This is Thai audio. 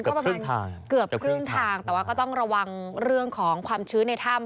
ก็ประมาณเกือบครึ่งทางแต่ว่าก็ต้องระวังเรื่องของความชื้นในถ้ำ